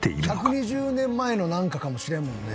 １２０年前のなんかかもしれんもんね。